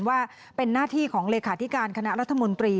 ว่าเป็นหน้าที่ของเลขาธิการคณะรัฐมนตรี